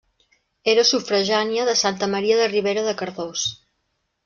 Era sufragània de Santa Maria de Ribera de Cardós.